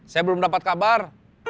saya belum dapat kabar